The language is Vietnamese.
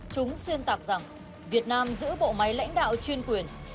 chúng xuyên tạc rằng việt nam giữ bộ máy lãnh đạo chuyên quyền